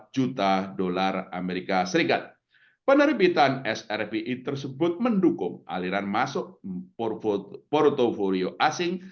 tiga ratus tiga puluh empat juta dollar amerika serikat penerbitan srbi tersebut mendukung aliran masuk portofolio asing